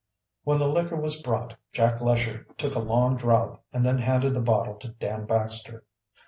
When the liquor was brought Jack Lesher took a long draught and then handed the bottle to Dan Baxter.